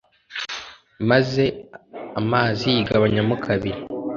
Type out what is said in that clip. maze amazi yigabanyamo kabiri